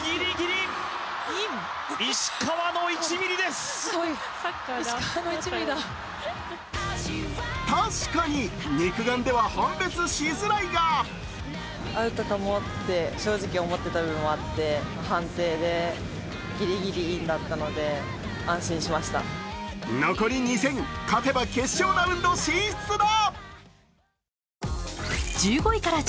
ついに、その時が確かに肉眼では判別しづらいが残り２戦、勝てば決勝ラウンド進出だ！